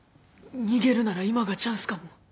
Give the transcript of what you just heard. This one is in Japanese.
逃げるなら今がチャンスかも。